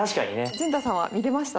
淳太さんは見れました？